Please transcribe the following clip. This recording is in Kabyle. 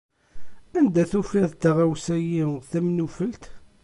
Anda tufiḍ taɣawsa-yi tamnufelt?